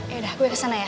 ya udah gue kesana ya